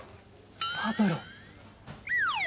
パブロ。